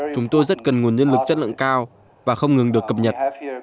chúng tôi rất cần nguồn nhân lực chất lượng cao và không ngừng được cập nhật